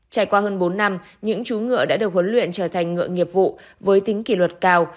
trải qua hơn bốn năm những chú ngựa đã được huấn luyện trở thành ngựa nghiệp vụ với tính kỷ luật cao